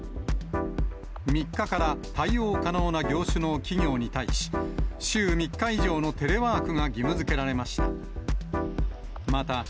３日から対応可能な業種の企業に対し、週３日以上のテレワークが義務づけられました。